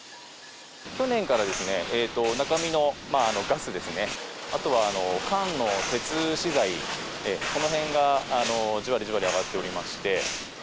去年から、中身のガスですね、あとは缶の鉄資材、このへんがじわりじわり上がっておりまして。